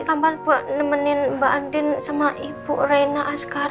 kampar buat nemenin mbak andin sama ibu reina azkara